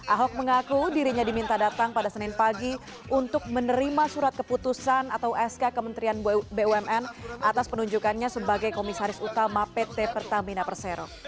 ahok mengaku dirinya diminta datang pada senin pagi untuk menerima surat keputusan atau sk kementerian bumn atas penunjukannya sebagai komisaris utama pt pertamina persero